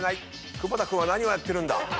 久保田君は何をやってるんだ？